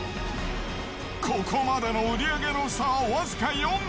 ここまでの売り上げの差は僅か４。